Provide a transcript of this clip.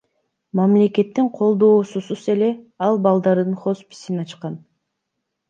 Мамлекеттин колдоосусуз эле ал балдардын хосписин ачкан.